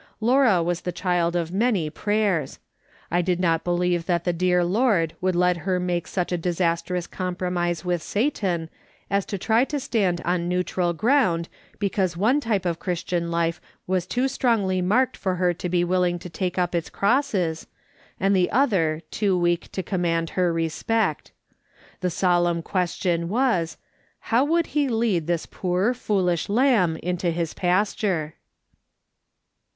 Laura was the child of many prayers. I did not believe that the dear Lord would let her make such a disastrous compromise with Satan as to try to stand on neutral ground because one type of Christian life was too strongly marked for her to be willing to take up its crosses, and the other too weak to command her respect. The solemn question was : How would he lead this poor foolish lamb into his pasture